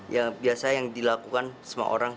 ya biasa yang dilakukan semua orang